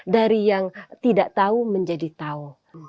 dari yang tidak tahu menjadi tahu